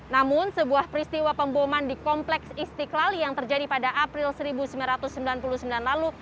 namun sebuah peristiwa pemboman di kompleks istiqlal yang terjadi pada april seribu sembilan ratus sembilan puluh sembilan lalu